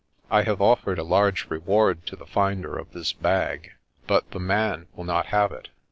" I have offered a large reward to the finder of this bag. But the man will not have it.